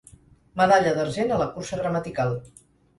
Medalla d'argent a la cursa gramatical.